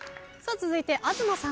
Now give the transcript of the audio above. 続いて東さん。